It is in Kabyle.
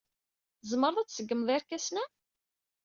Tzemreḍ ad tṣeggmeḍ irkasen-a?